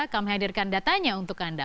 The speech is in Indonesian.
akan menghadirkan datanya untuk anda